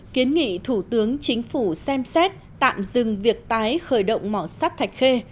kiến nghị thủ tướng chính phủ xem xét tạm dừng việc tái khởi động mỏ sắt thạch khê